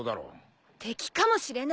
敵かもしれない。